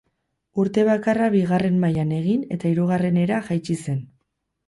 Urte bakarra bigarren mailan egin eta hirugarrenera jaitsi zen.